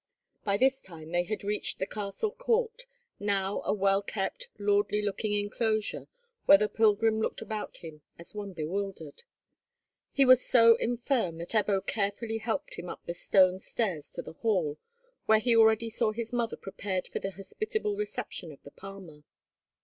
By this time they had reached the castle court, now a well kept, lordly looking enclosure, where the pilgrim looked about him as one bewildered. He was so infirm that Ebbo carefully helped him up the stone stairs to the hall, where he already saw his mother prepared for the hospitable reception of the palmer.